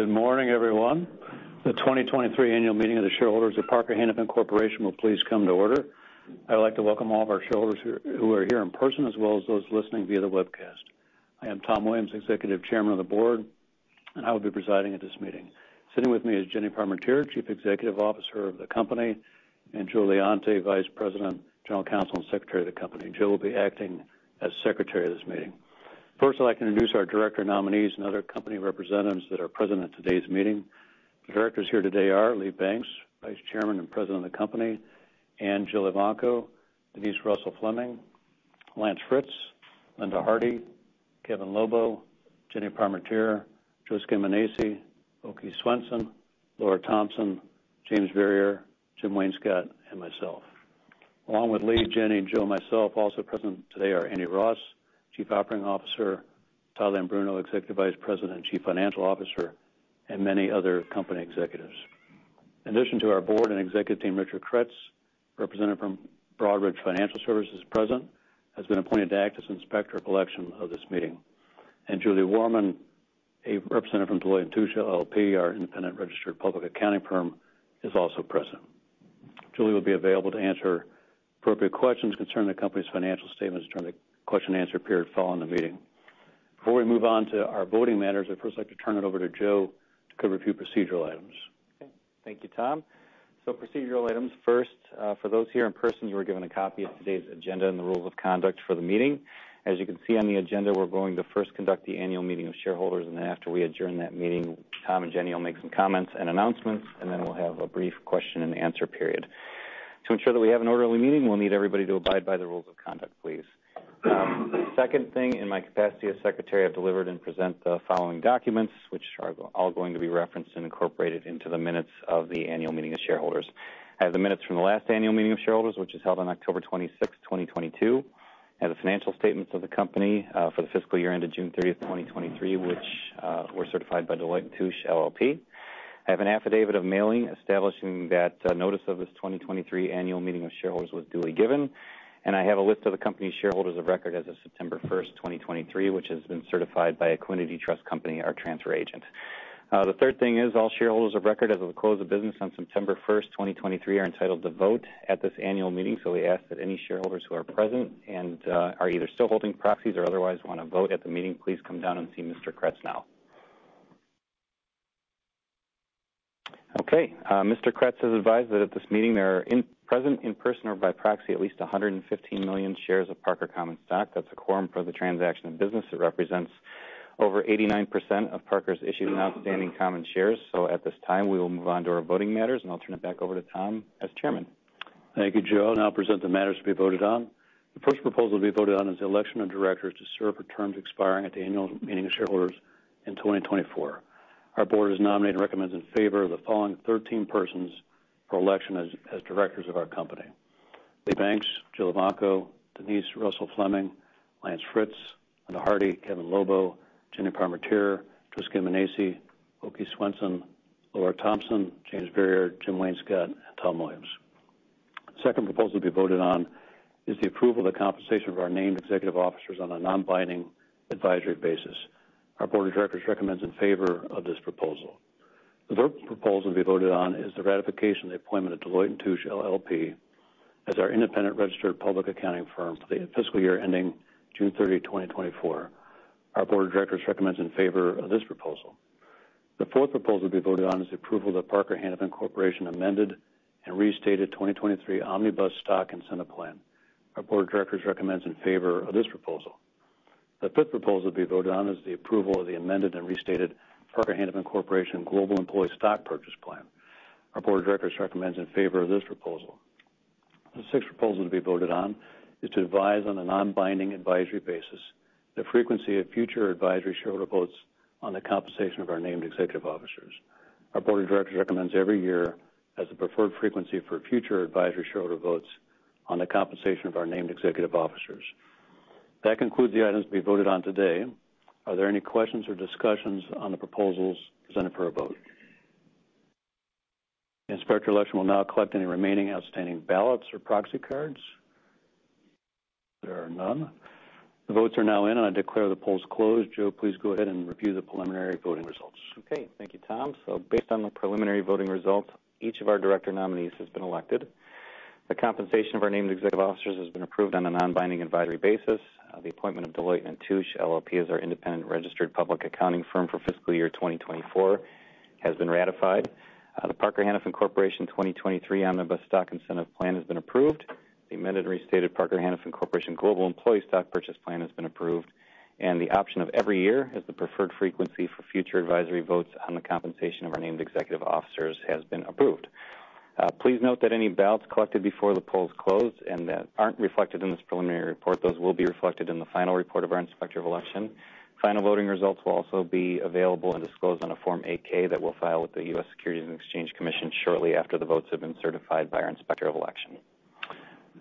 Good morning, everyone. The 2023 annual meeting of the shareholders of Parker-Hannifin Corporation will please come to order. I would like to welcome all of our shareholders who are here in person, as well as those listening via the webcast. I am Tom Williams, Executive Chairman of the Board, and I will be presiding at this meeting. Sitting with me is Jenny Parmentier, Chief Executive Officer of the company, and Joseph Leonti, Vice President, General Counsel, and Secretary of the company. Joseph will be acting as Secretary of this meeting. First, I'd like to introduce our director nominees and other company representatives that are present at today's meeting. The directors here today are Lee Banks, Vice Chairman and President of the company, and Jill Evanko, Denise Russell Fleming, Lance Fritz, Linda Harty, Kevin Lobo, Jenny Parmentier, Joe Scaminace, Åke Svensson, Laura Thompson, James Verrier, Jim Wainscott, and myself. Along with Lee, Jenny, and Jill, and myself, also present today are Andy Ross, Chief Operating Officer, Todd Leombruno, Executive Vice President and Chief Financial Officer, and many other company executives. In addition to our Board and Executive Team, Richard Kretz, representative from Broadridge Financial Solutions, is present, has been appointed to act as Inspector of Election of this meeting. Julie Warman, a representative from Deloitte & Touche, LLP, our independent registered public accounting firm, is also present. Julie will be available to answer appropriate questions concerning the company's financial statements during the question and answer period following the meeting. Before we move on to our voting matters, I'd first like to turn it over to Joe to cover a few procedural items. Okay. Thank you, Tom. So procedural items. First, for those here in person, you were given a copy of today's agenda and the rules of conduct for the meeting. As you can see on the agenda, we're going to first conduct the annual meeting of shareholders, and then after we adjourn that meeting, Tom and Jenny will make some comments and announcements, and then we'll have a brief question-and-answer period. To ensure that we have an orderly meeting, we'll need everybody to abide by the rules of conduct, please. Second thing, in my capacity as secretary, I've delivered and present the following documents, which are all going to be referenced and incorporated into the minutes of the annual meeting of shareholders. I have the minutes from the last annual meeting of shareholders, which was held on October 26th, 2022. I have the financial statements of the company for the fiscal year ended June 30th, 2023, which were certified by Deloitte & Touche, LLP. I have an affidavit of mailing establishing that notice of this 2023 annual meeting of shareholders was duly given. I have a list of the company's shareholders of record as of September 1st, 2023, which has been certified by Equiniti Trust Company, our transfer agent. The third thing is all shareholders of record as of the close of business on September 1st, 2023, are entitled to vote at this annual meeting. So we ask that any shareholders who are present and are either still holding proxies or otherwise want to vote at the meeting, please come down and see Mr. Kretz now. Okay, Mr. Kretz has advised that at this meeting, there are present, in person or by proxy, at least 115 million shares of Parker common stock. That's a quorum for the transaction of business. It represents over 89% of Parker's issued and outstanding common shares. So at this time, we will move on to our voting matters, and I'll turn it back over to Tom as chairman. Thank you, Joe. I'll now present the matters to be voted on. The first proposal to be voted on is the election of directors to serve for terms expiring at the annual meeting of shareholders in 2024. Our Board has nominated and recommends in favor of the following 13 persons for election as directors of our company: Lee Banks, Jill Evanko, Denise Russell Fleming, Lance Fritz, Linda Harty, Kevin Lobo, Jenny Parmentier, Joe Scaminace, Åke Svensson, Laura Thompson, James Verrier, Jim Wainscott, and Tom Williams. Second proposal to be voted on is the approval of the compensation of our named executive officers on a non-binding advisory basis. Our board of directors recommends in favor of this proposal. The third proposal to be voted on is the ratification of the appointment of Deloitte & Touche, LLP, as our independent registered public accounting firm for the fiscal year ending June 30th, 2024. Our Board of Directors recommends in favor of this proposal. The fourth proposal to be voted on is the approval of the Parker Hannifin Corporation Amended and Restated 2023 Omnibus Stock Incentive Plan. Our Board of Directors recommends in favor of this proposal. The fifth proposal to be voted on is the approval of the Amended and Restated Parker Hannifin Corporation Global Employee Stock Purchase Plan. Our Board of Directors recommends in favor of this proposal. The sixth proposal to be voted on is to advise on a non-binding advisory basis, the frequency of future advisory shareholder votes on the compensation of our named executive officers. Our Board of Directors recommends every year, as the preferred frequency for future advisory shareholder votes on the compensation of our named executive officers. That concludes the items to be voted on today. Are there any questions or discussions on the proposals presented for a vote? Inspector of Election will now collect any remaining outstanding ballots or proxy cards. There are none. The votes are now in, and I declare the polls closed. Joe, please go ahead and review the preliminary voting results. Okay. Thank you, Tom. So based on the preliminary voting results, each of our director nominees has been elected. The compensation of our named executive officers has been approved on a non-binding advisory basis. The appointment of Deloitte & Touche, LLP, as our independent registered public accounting firm for fiscal year 2024 has been ratified. The Parker-Hannifin Corporation 2023 Omnibus Stock Incentive Plan has been approved. The amended and restated Parker-Hannifin Corporation Global Employee Stock Purchase Plan has been approved, and the option of every year as the preferred frequency for future advisory votes on the compensation of our named executive officers has been approved. Please note that any ballots collected before the polls closed and that aren't reflected in this preliminary report, those will be reflected in the final report of our Inspector of Election. Final voting results will also be available and disclosed on a Form 8-K that we'll file with the U.S. Securities and Exchange Commission shortly after the votes have been certified by our Inspector of Election.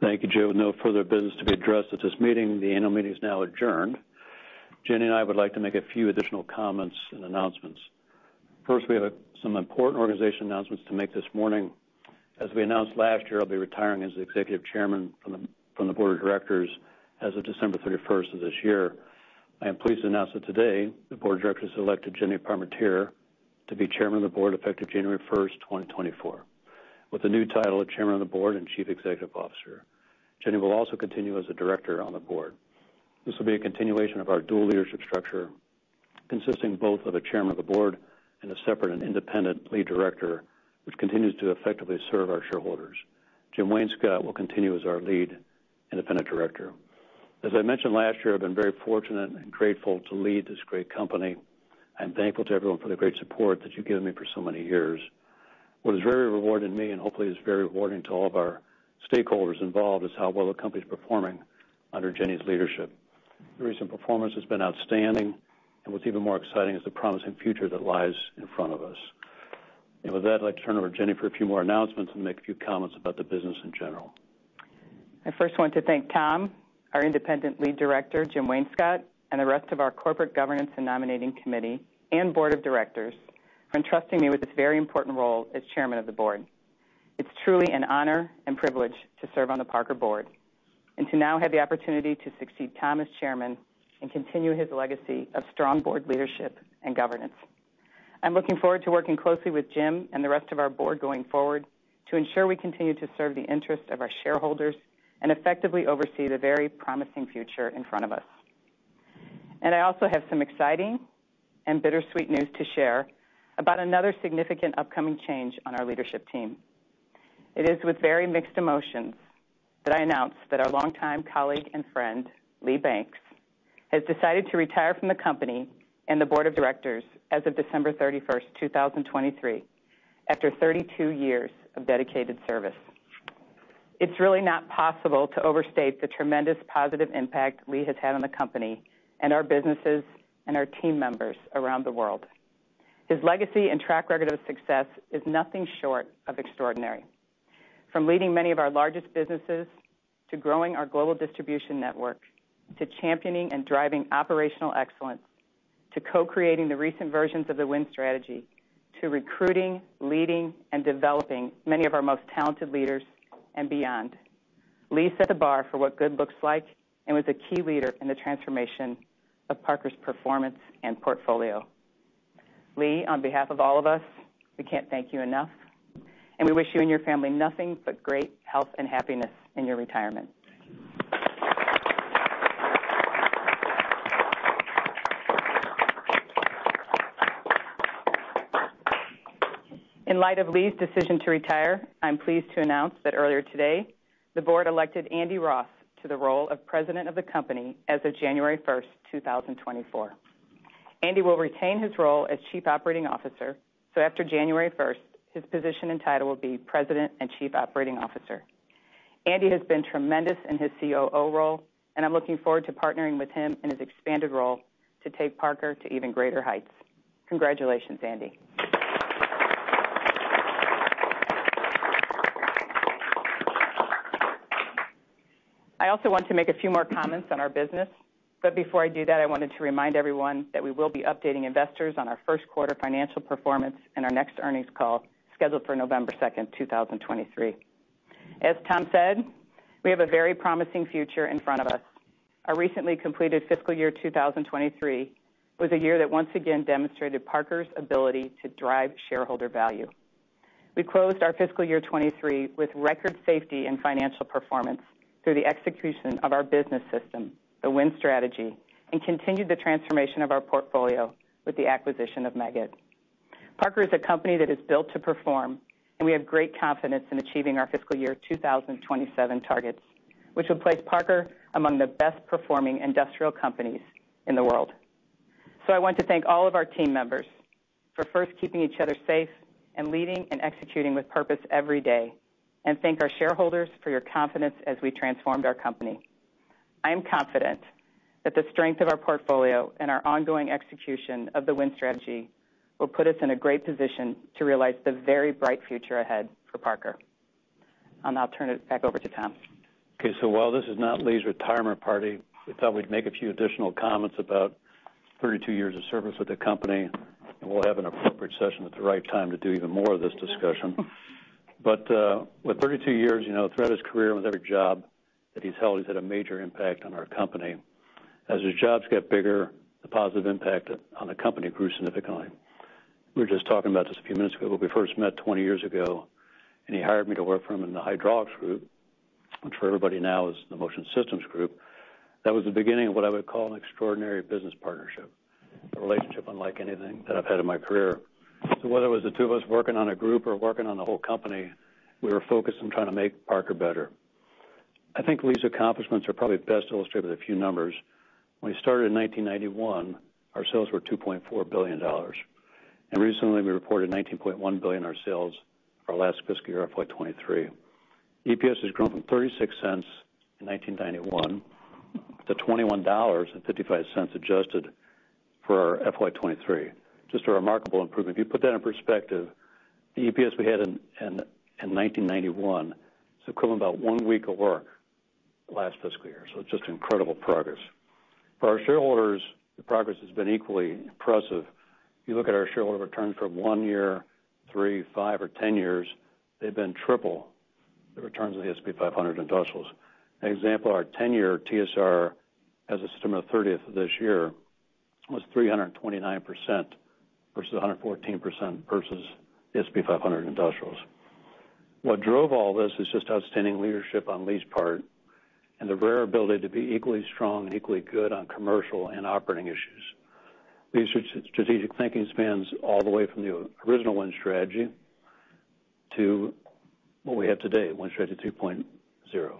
Thank you, Joe. With no further business to be addressed at this meeting, the annual meeting is now adjourned. Jenny and I would like to make a few additional comments and announcements. First, we have some important organization announcements to make this morning... as we announced last year, I'll be retiring as the Executive Chairman from the Board of Directors as of December 31st of this year. I am pleased to announce that today, the Board of Directors elected Jenny Parmentier to be Chairman of the Board, effective January 1st, 2024, with the new title of Chairman of the Board and Chief Executive Officer. Jenny will also continue as a director on the Board. This will be a continuation of our dual leadership structure, consisting both of a Chairman of the Board and a separate and Independent Lead Director, which continues to effectively serve our shareholders. Jim Wainscott will continue as our Lead Independent Director. As I mentioned last year, I've been very fortunate and grateful to lead this great company. I'm thankful to everyone for the great support that you've given me for so many years. What is very rewarding to me, and hopefully is very rewarding to all of our stakeholders involved, is how well the company's performing under Jenny's leadership. The recent performance has been outstanding, and what's even more exciting is the promising future that lies in front of us. With that, I'd like to turn it over to Jenny for a few more announcements and make a few comments about the business in general. I first want to thank Tom, our independent Lead Director, Jim Wainscott, and the rest of our Corporate Governance and Nominating Committee and Board of Directors for entrusting me with this very important role as Chairman of the Board. It's truly an honor and privilege to serve on the Parker Board, and to now have the opportunity to succeed Tom as chairman and continue his legacy of strong Board leadership and governance. I'm looking forward to working closely with Jim and the rest of our Board going forward to ensure we continue to serve the interests of our shareholders and effectively oversee the very promising future in front of us. I also have some exciting and bittersweet news to share about another significant upcoming change on our leadership team. It is with very mixed emotions that I announce that our longtime colleague and friend, Lee Banks, has decided to retire from the company and the Board of Directors as of December 31st, 2023, after 32 years of dedicated service. It's really not possible to overstate the tremendous positive impact Lee has had on the company, and our businesses, and our team members around the world. His legacy and track record of success is nothing short of extraordinary. From leading many of our largest businesses, to growing our global distribution network, to championing and driving operational excellence, to co-creating the recent versions of the Win Strategy, to recruiting, leading, and developing many of our most talented leaders and beyond. Lee set the bar for what good looks like and was a key leader in the transformation of Parker's performance and portfolio. Lee, on behalf of all of us, we can't thank you enough, and we wish you and your family nothing but great health and happiness in your retirement. In light of Lee's decision to retire, I'm pleased to announce that earlier today, the Board elected Andy Ross to the role of President of the Company as of January 1st, 2024. Andy will retain his role as Chief Operating Officer, so after January 1st, his position and title will be President and Chief Operating Officer. Andy has been tremendous in his COO role, and I'm looking forward to partnering with him in his expanded role to take Parker to even greater heights. Congratulations, Andy. I also want to make a few more comments on our business, but before I do that, I wanted to remind everyone that we will be updating investors on our first quarter financial performance in our next earnings call, scheduled for November 2nd, 2023. As Tom said, we have a very promising future in front of us. Our recently completed fiscal year 2023 was a year that once again demonstrated Parker's ability to drive shareholder value. We closed our fiscal year 2023 with record safety and financial performance through the execution of our business system, the Win Strategy, and continued the transformation of our portfolio with the acquisition of Meggitt. Parker is a company that is built to perform, and we have great confidence in achieving our fiscal year 2027 targets, which will place Parker among the best-performing industrial companies in the world. So I want to thank all of our team members for first keeping each other safe and leading and executing with purpose every day, and thank our shareholders for your confidence as we transformed our company. I am confident that the strength of our portfolio and our ongoing execution of the Win Strategy will put us in a great position to realize the very bright future ahead for Parker. I'll now turn it back over to Tom. Okay, so while this is not Lee's retirement party, we thought we'd make a few additional comments about 32 years of service with the company, and we'll have an appropriate session at the right time to do even more of this discussion. But with 32 years, you know, throughout his career, with every job that he's held, he's had a major impact on our company. As his jobs got bigger, the positive impact on the company grew significantly. We were just talking about this a few minutes ago, but we first met 20 years ago, and he hired me to work for him in the Hydraulics Group, which, for everybody now, is the Motion Systems Group. That was the beginning of what I would call an extraordinary business partnership, a relationship unlike anything that I've had in my career. So whether it was the two of us working on a group or working on the whole company, we were focused on trying to make Parker better. I think Lee's accomplishments are probably best illustrated with a few numbers. When he started in 1991, our sales were $2.4 billion, and recently, we reported $19.1 billion in our sales for our last fiscal year, FY 2023. EPS has grown from $0.36 in 1991 to $21.55, adjusted for our FY 2023. Just a remarkable improvement. If you put that in perspective, the EPS we had in 1991 is equivalent to about one week of work last fiscal year, so it's just incredible progress. For our shareholders, the progress has been equally impressive. If you look at our shareholder returns from one year, three, five, or 10 years, they've been triple the returns of the S&P 500 Industrials. An example, our 10-year TSR as of December 30th of this year was 329% versus 114% versus the S&P 500 Industrials. What drove all this is just outstanding leadership on Lee's part and the rare ability to be equally strong and equally good on commercial and operating issues. Lee's strategic thinking spans all the way from the original Win Strategy to what we have today, Win Strategy 2.0. What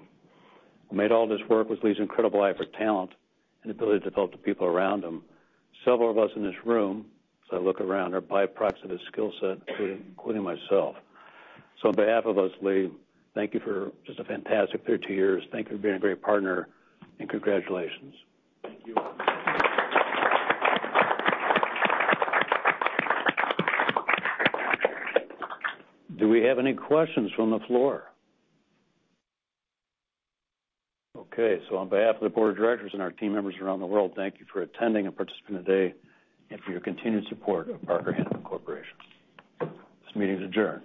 made all this work was Lee's incredible eye for talent and ability to develop the people around him. Several of us in this room, as I look around, are byproducts of his skill set, including myself. So on behalf of us, Lee, thank you for just a fantastic 32 years. Thank you for being a great partner, and congratulations. Thank you. Do we have any questions from the floor? Okay, so on behalf of the Board of Directors and our team members around the world, thank you for attending and participating today, and for your continued support of Parker Hannifin Corporation. This meeting is adjourned.